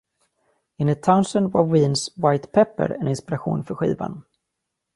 Enligt Townsend var Weens "White Pepper" en inspiration för skivan.